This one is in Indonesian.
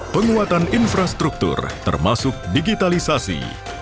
penguatan infrastruktur termasuk digitalisasi